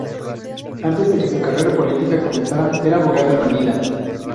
Antes de que su carrera política comenzara, era abogado en Manila.